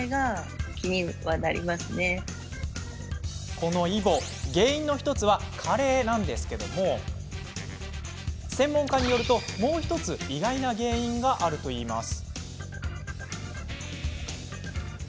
このイボ原因の１つは加齢なんですが専門家によると、もう１つ意外な原因があるといいます。